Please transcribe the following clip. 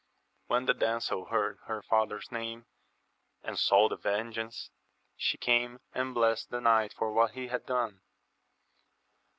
When the damsel heard her father's name, and saw the vengeance, she came and blest the knight for what he had done.